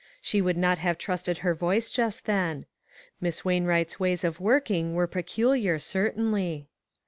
She would not have trusted her voice just then. Miss Wain Wright's ways of working were peculiar, certainly.